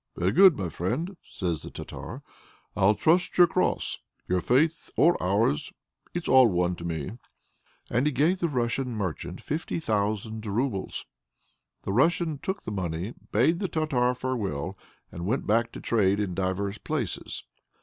"Very good, my friend!" says the Tartar. "I'll trust your cross. Your faith or ours, it's all one to me." And he gave the Russian merchant fifty thousand roubles. The Russian took the money, bade the Tartar farewell, and went back to trade in divers places.